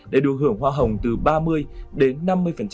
để được hưởng hoa hồng từ ba mươi đến năm mươi